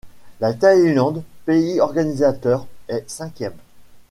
La Thaïlande, pays organisateur, est cinquième.